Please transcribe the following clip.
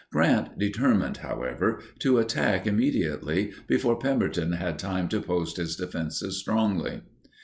Grant determined, however, to attack immediately, before Pemberton had time to post his defenses strongly.